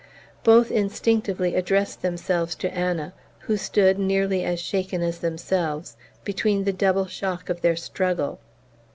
Both instinctively addressed themselves to Anna, who stood, nearly as shaken as themselves, between the double shock of their struggle.